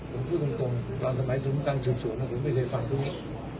ผมพูดตรงตอนสมัยธุรกรรมกลางเฉียบนะผมไม่เคยฟังตรงนี้